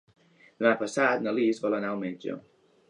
Demà passat na Lis vol anar al metge.